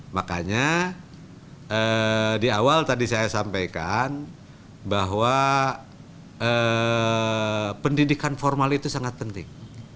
makanya di awal tadi saya sampaikan bahwa pendidikan formal itu sangat penting